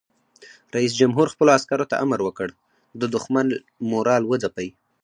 رئیس جمهور خپلو عسکرو ته امر وکړ؛ د دښمن مورال وځپئ!